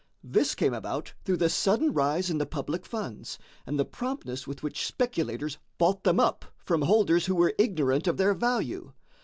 This came about through the sudden rise in the public funds, and the promptness with which speculators bought them up from holders who were ignorant of their value.